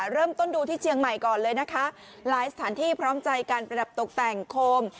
เริ่มต้นดูที่เชียงใหม่ก่อนเลยนะคะหลายสถานที่พร้อมใจการประดับตกแต่งโคม